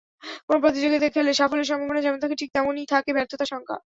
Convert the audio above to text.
কোনো প্রতিযোগিতায় খেললে সাফল্যের সম্ভাবনা যেমন থাকে, ঠিক তেমনি থাকে ব্যর্থতার শঙ্কা।